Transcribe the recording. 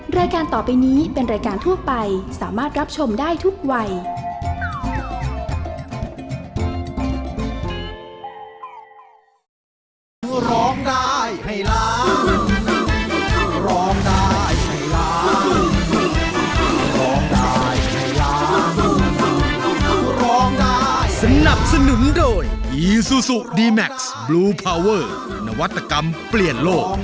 รายการต่อไปนี้เป็นรายการทั่วไปสามารถรับชมได้ทุกวัย